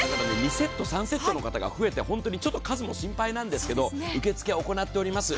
２セット、３セットの方が増えて足りるか心配なんですけど受け付けは行っております。